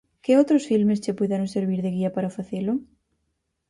Que outros filmes che puideron servir de guía para facelo?